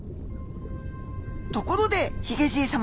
ところでヒゲじい様。